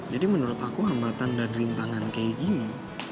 jadi menurut aku hambatan dan rintangan kayak gini